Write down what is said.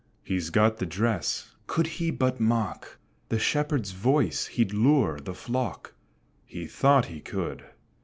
He's got the dress could he but mock The Shepherd's voice, he'd lure the flock: He thought he could.